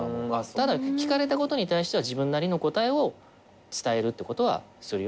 ただ聞かれたことに対しては自分なりの答えを伝えるってことはするよ。